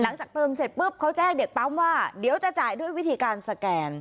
หลังจากเติมเสร็จปุ๊บเขาแจ้งเด็กปั๊มว่าเดี๋ยวจะจ่ายด้วยวิธีการสแกน